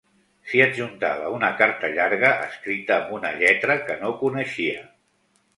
S'hi adjuntava una carta llarga escrita amb una lletra que no coneixia.